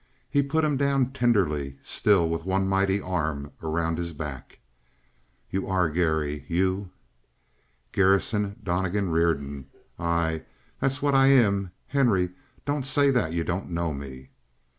He put him down tenderly, still with one mighty arm around his back. "You are Garry? You!" "Garrison Donnegan Reardon. Aye, that's what I am. Henry, don't say that you don't know me!"